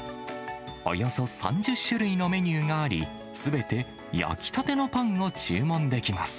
およそ３０種類のメニューがあり、すべて焼きたてのパンを注文できます。